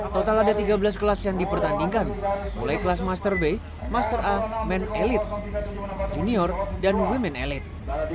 total ada tiga belas kelas yang dipertandingkan mulai kelas master b master a men elit junior dan women elite